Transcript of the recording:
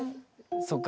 そっか。